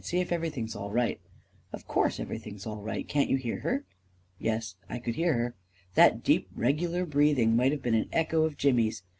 " See if everything's all right" 11 Of course everything's all right Can't you hear her?" Yes, I could hear her — that deep, regular breath ing might have been an echo of Jimmy's.